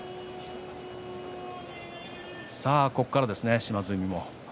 ここからですね島津海も。